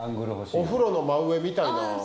お風呂の真上見たいな。